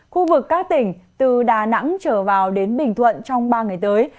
khu vực các tỉnh từ đà nẵng trở vào đến bình thuận trong ba ngày tới